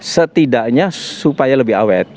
setidaknya supaya lebih awet